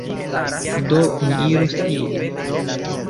Do, ni iros tien